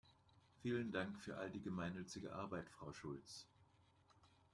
Vielen Dank für all die gemeinnützige Arbeit, Frau Schulz!